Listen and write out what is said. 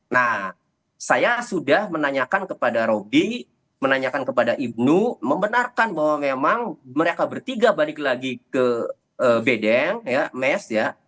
nah saya sudah menanyakan kepada roby menanyakan kepada ibnu membenarkan bahwa memang mereka bertiga balik lagi ke bedeng mes ya